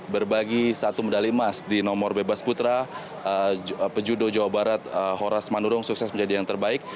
berbagi satu medali emas di nomor bebas putra pejudo jawa barat horas manurung sukses menjadi yang terbaik